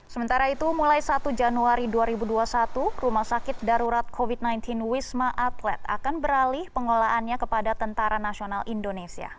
sementara itu mulai satu januari dua ribu dua puluh satu rumah sakit darurat covid sembilan belas wisma atlet akan beralih pengelolaannya kepada tentara nasional indonesia